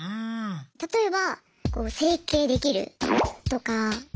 例えば整形できる？とか。